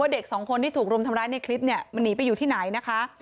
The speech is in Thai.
เด็กสองคนที่ถูกรุมทำร้ายในคลิปเนี่ยมันหนีไปอยู่ที่ไหนนะคะ